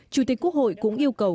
chủ tịch quốc hội cũng yêu cầu